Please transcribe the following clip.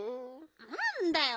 なんだよ。